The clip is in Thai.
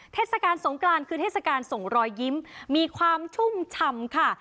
เทศกาลสงกรานคือเทศกาลส่งรอยยิ้มมีความชุ่มฉ่ำค่ะ